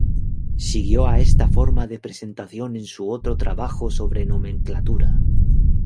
Siguió a esta forma de presentación en su otro trabajo sobre nomenclatura.